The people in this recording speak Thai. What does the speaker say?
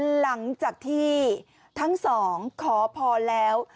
หลังจากที่ทั้งสองขอพรแล้ว